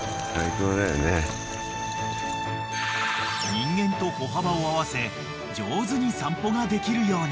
［人間と歩幅を合わせ上手に散歩ができるように］